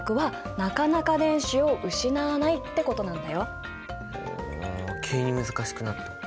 つまりうん急に難しくなった。